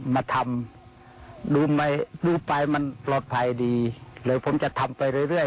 มาทำดูไปมันปลอดภัยดีเลยผมจะทำไปเรื่อยเรื่อย